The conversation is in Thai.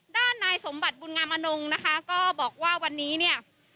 ด้านนายสมบัติบุญงามอนงนะคะก็บอกว่าวันนี้เนี่ย